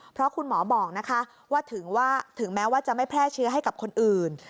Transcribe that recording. เพราะคุณหมอบอกนะคะว่าถึงแม้ว่าจะไม่แพร่เชื้อให้กับคนอื่น